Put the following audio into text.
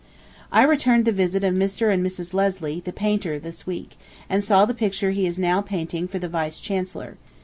I returned the visit of Mr. and Mrs. Leslie, the painter, this week, and saw the picture he is now painting for the Vice Chancellor.